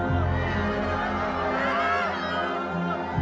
kyknya kamu kurang lebih baik